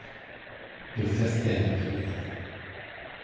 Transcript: Le Festin de Pierre.